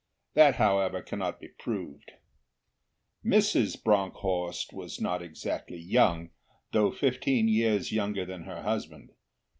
That, however, cannot be proved. Mrs. Bronckhorst was not exactly young, though fifteen years younger than her husband.